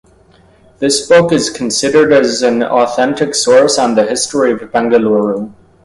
This book is considered as an authentic source on the history of Bengaluru.